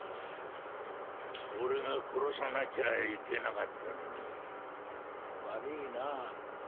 俺が殺さなきゃいけなかったのに悪いな。